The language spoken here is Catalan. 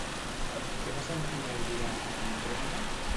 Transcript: Què va sentir en albirar a Andròmeda?